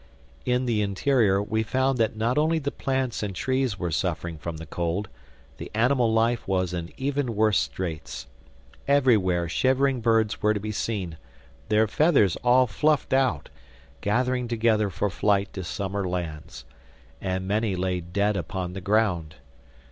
In the interior we found that not only the plants and trees were suffering from the cold: the animal life was in even worse straits. Everywhere shivering birds were to be seen, their feathers all fluffed out, gathering together for flight to summer lands. And many lay dead upon the ground.